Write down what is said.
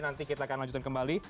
nanti kita akan lanjutkan kembali